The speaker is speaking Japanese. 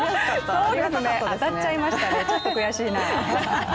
そうですね、当たっちゃいましたね、ちょっと悔しいなあ。